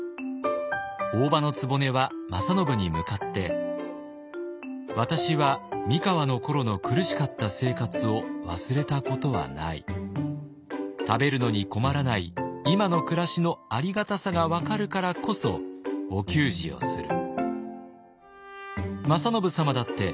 大姥局は正信に向かって「私は三河の頃の苦しかった生活を忘れたことはない。食べるのに困らない今の暮らしのありがたさが分かるからこそお給仕をする」。